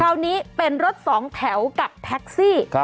คราวนี้เป็นรถสองแถวกับแท็กซี่